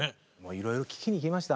いろいろ聞きに行きました。